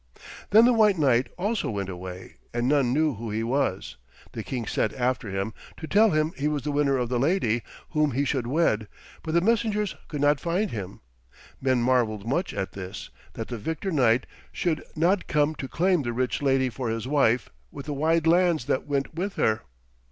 Then the white knight also went away, and none knew who he was. The king sent after him, to tell him he was the winner of the lady, whom he should wed, but the messengers could not find him. Men marvelled much at this, that the victor knight should not come to claim the rich lady for his wife with the wide lands that went with her.